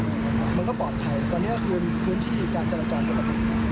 มันก็ปลอดภัยตอนนี้ก็คือพื้นที่การจัดละจอดกับปุ๊บ